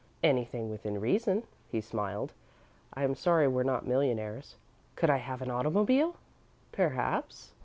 "Anything within reason," he smiled. "I'm sorry we're not millionaires." "Could I have an automobile?" "Perhaps.